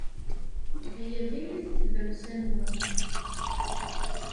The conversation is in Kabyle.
Aya diri-t i tdawsa-nwen.